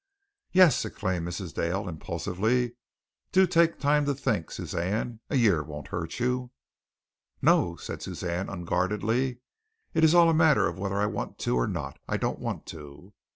"Yes," exclaimed Mrs. Dale, impulsively, "do take time to think, Suzanne. A year won't hurt you." "No," said Suzanne unguardedly. "It is all a matter of whether I want to or not. I don't want to."